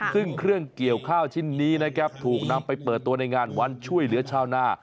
ซึ่งเครื่องเกี่ยวข้าวชิ้นนี้นะครับถูกนำไปเปิดตัวในงานวันช่วยเหลือชาวนา